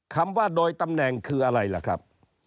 คำว่าโดยตำแหน่งคืออะไรล่ะครับ